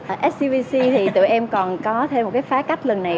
ở scbc thì tụi em còn có thêm một cái phá cách lần này